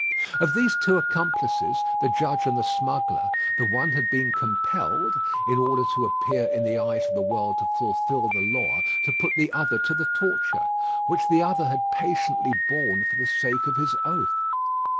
Of these two accomplices, the judge and the smuggler, the one had been compelled, in order to appear in the eyes of the world to fulfil the law, to put the other to the torture, which the other had patiently borne for the sake of his oath.